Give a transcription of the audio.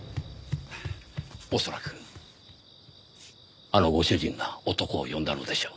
恐らくあのご主人が男を呼んだのでしょう。